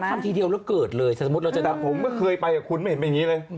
ทำทีเดียวแล้วเกิดเลยสมมุติเราจะดังผมก็เคยไปคุณไม่เห็นเป็นอย่างนี้เลย